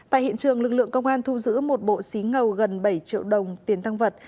tại hiện trường lực lượng công an thu giữ một bộ xí ngầu gần bảy triệu đồng tiền thăng vật